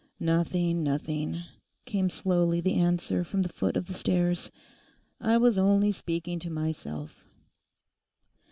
'Nothing, nothing,' came softly the answer from the foot of the stairs. 'I was only speaking to myself.